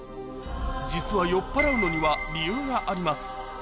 実は酔っぱらうのには理由があります